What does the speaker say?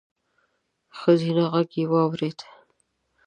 ښځينه غږ يې واورېد: